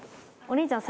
お兄ちゃん」